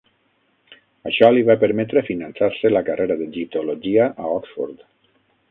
Això li va permetre finançar-se la carrera d'egiptologia a Oxford.